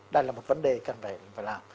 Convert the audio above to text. đây là một vấn đề cần phải làm